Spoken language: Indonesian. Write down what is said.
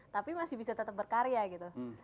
tapi masih bisa tetap berkarya gitu